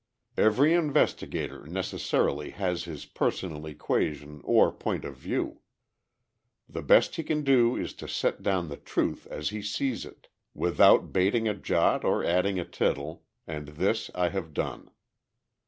Every investigator necessarily has his personal equation or point of view. The best he can do is to set down the truth as he sees it, without bating a jot or adding a tittle, and this I have done.